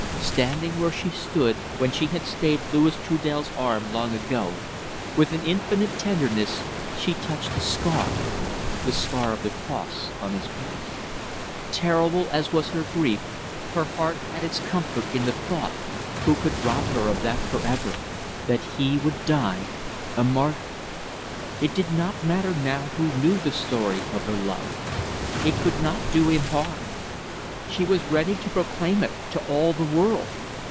Standing where she stood when she had stayed Louis Trudel's arm long ago, with an infinite tenderness she touched the scar the scar of the cross on his breast. Terrible as was her grief, her heart had its comfort in the thought who could rob her of that for ever? that he would die a martyr. It did not matter now who knew the story of her love. It could not do him harm. She was ready to proclaim it to all the world.